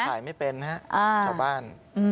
ถ่ายไม่เป็นครับเพราะบ้าน